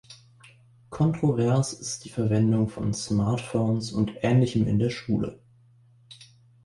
Kontrovers ist die Verwendung von Smartphones und ähnlichem in der Schule.